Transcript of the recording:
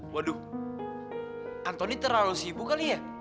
waduh antoni terlalu sibuk kali ya